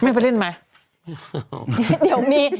ไม่ไปเล่นไหม